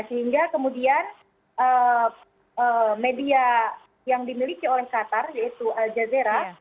sehingga kemudian media yang dimiliki oleh qatar yaitu al jazeera